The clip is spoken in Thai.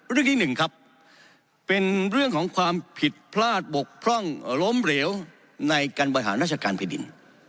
ที่หนึ่งครับเป็นเรื่องของความผิดพลาดบกพร่องล้มเหลวในการบริหารราชการแผ่นดิน